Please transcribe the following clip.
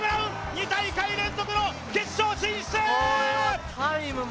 ２大会連続の決勝進出！